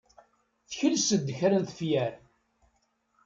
Tekles-d kra n tefyar.